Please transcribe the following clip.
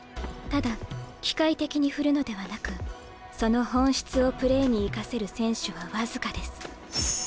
ただ機械的に振るのではなくその本質をプレーに生かせる選手は僅かです。